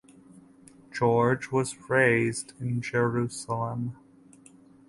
George was raised in Jerusalem.